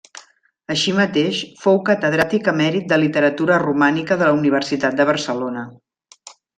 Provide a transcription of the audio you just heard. Així mateix, fou catedràtic emèrit de Literatura Romànica de la Universitat de Barcelona.